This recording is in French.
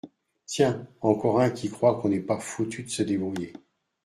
Tiens, encore un qui croit qu’on n’est pas foutus de se débrouiller.